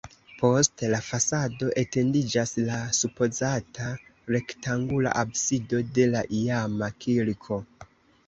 Post la fasado etendiĝas la supozata rektangula absido de la iama kirko.